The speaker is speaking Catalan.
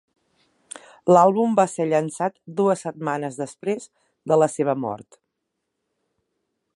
L'àlbum va ser llançat dues setmanes després de la seva mort.